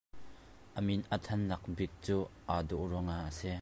A min a thannak bik cu aa dawh ruangah a si.